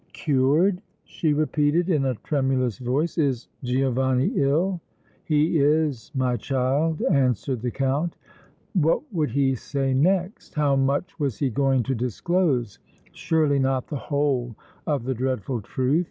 "Cured?" she repeated, in a tremulous voice. "Is Giovanni ill?" "He is, my child," answered the Count. What would he say next? How much was he going to disclose? Surely not the whole of the dreadful truth!